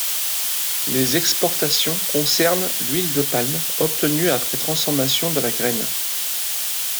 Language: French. Les exportations concernent l'huile de palme, obtenue après transformation de la graine.